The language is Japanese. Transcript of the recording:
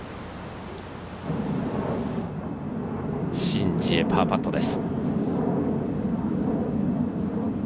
シン・ジエのパーパットです。